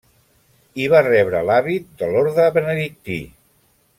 Hi va rebre l'hàbit de l'orde benedictí.